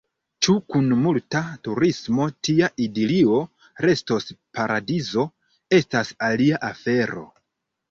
Ĉu kun multa turismo tia idilio restos paradizo, estas alia afero.